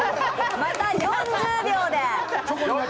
また４０秒で。